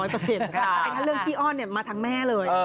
แต่ถ้าเรื่องขี้อ้อนมาทั้งแม่เลย